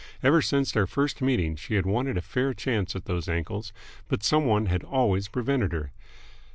Ever since their first meeting she had wanted a fair chance at those ankles, but some one had always prevented her.